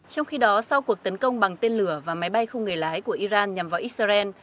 trong khi đó sau cuộc tấn công bằng tên lửa và máy bay không người lái của iran nhằm vào israel